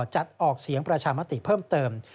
จัดออกเสียงประชามติเต็ม